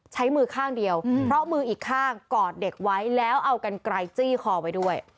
ใช้มือข้างเดียวเพราะมืออีกข้างกอดเด็กไว้แล้วเอากันไกลจี้คอไว้ด้วย